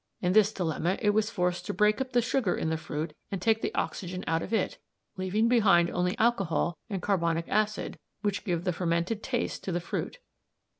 In this dilemma it was forced to break up the sugar in the fruit and take the oxygen out of it, leaving behind only alcohol and carbonic acid which give the fermented taste to the fruit.